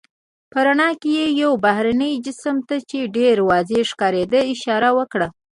په رڼا کې یې یو بهرني جسم ته، چې ډېر واضح ښکارېده اشاره وکړه.